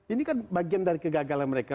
ini kan bagian dari kegagalan mereka